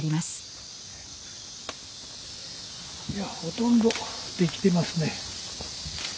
いやほとんどできてますね。